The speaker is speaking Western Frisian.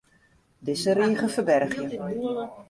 Dizze rige ferbergje.